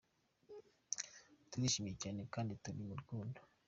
Turishimye cyane kandi turi mu rukundo.